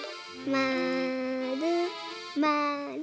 まるまる。